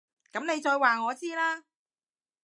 噉你再話我知啦